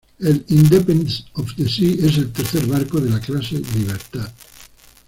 El "Independence of the Seas" es el tercer barco de la clase Libertad.